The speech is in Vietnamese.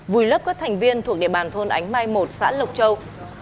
vùi lấp các thành viên thuộc địa bàn thôn ánh mai một xã lộc châu